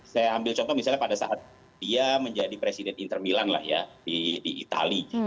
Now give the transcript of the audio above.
saya ambil contoh misalnya pada saat dia menjadi presiden inter milan lah ya di itali